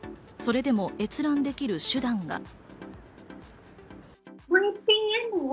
それでも閲覧できる手段が。